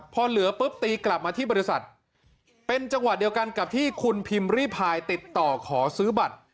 พอเหลือปุ๊บตีกลับมาที่บริษัทเป็นจังหวะเดียวกันกับที่คุณพิมพ์ริพายติดต่อขอซื้อบัตร